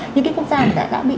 những cái quốc gia đã bị